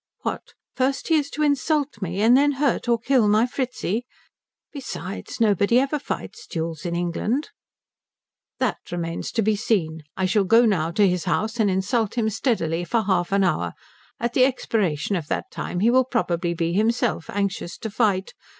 What, first he is to insult me and then hurt or kill my Fritzi? Besides, nobody ever fights duels in England." "That remains to be seen. I shall now go to his house and insult him steadily for half an hour. At the expiration of that time he will probably be himself anxious to fight.